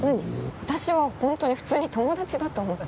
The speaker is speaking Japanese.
私は本当に普通の友達だと思って。